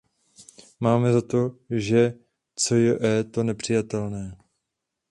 Máme za to, že cje to nepřijatelné.